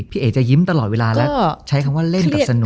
พี่เอ๋จะยิ้มตลอดเวลาแล้วก็ใช้คำว่าเล่นกับสนุก